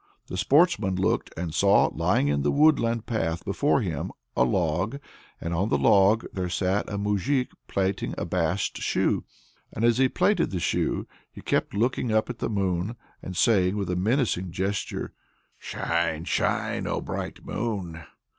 The sportsman looked, and saw lying in the woodland path before him a log, and on the log there sat a moujik plaiting a bast shoe. And as he plaited the shoe, he kept looking up at the moon, and saying with a menacing gesture: "Shine, shine, O bright moon!"